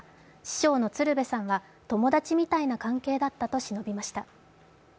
師匠の鶴瓶さんが、友達みたいな関係だったとしのびました。